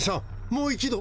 もう一度。